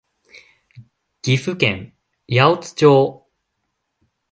岐阜県八百津町